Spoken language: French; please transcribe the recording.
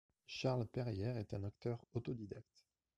Charles Perrière est un acteur autodidacte.